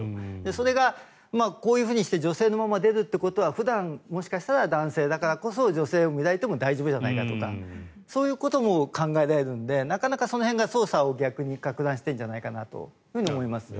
それがこういうふうにして女性のまま出るということは普段、もしかしたら男性だからこそ女性で見られても大丈夫じゃないかとかそういうことも考えられるのでなかなか、その辺が捜査を逆にかく乱しているんじゃないかと思いますね。